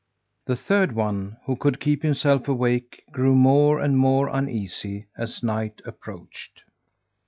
The third one, who could keep himself awake, grew more and more uneasy as night approached.